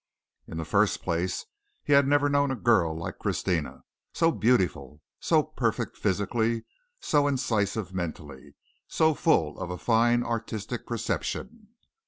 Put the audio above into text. In the first place he had never known a girl like Christina, so beautiful, so perfect physically, so incisive mentally, so full of a fine artistic perception.